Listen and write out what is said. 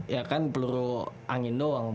ya kan peluru angin doang